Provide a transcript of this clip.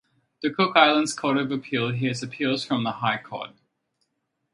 The Cook Islands Court of Appeal hears appeals from the High Court.